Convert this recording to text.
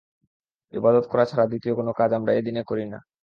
ইবাদত করা ছাড়া দ্বিতীয় কোন কাজ আমরা এ দিনে করি না।